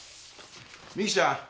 美貴ちゃん！